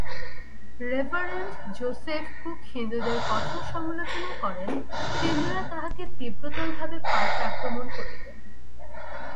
Reverend Joseph Cook হিন্দুদের কঠোর সমালোচনা করেন, হিন্দুরা তাঁহাকে তীব্রতরভাবে পাল্টা আক্রমণ করিলেন।